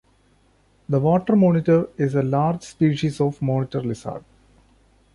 The water monitor is a large species of monitor lizard.